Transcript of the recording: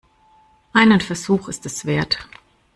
Einen Versuch ist es wert.